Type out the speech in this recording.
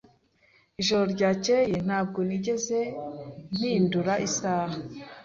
Ijoro ryakeye ntabwo nigeze mpindura isaha.